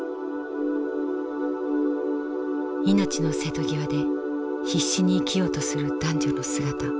命の瀬戸際で必死に生きようとする男女の姿。